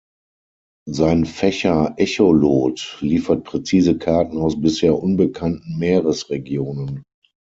Sein Fächer-Echolot liefert präzise Karten aus bisher unbekannten Meeresregionen.